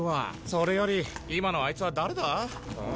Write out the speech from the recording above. それより今のあいつは誰だ？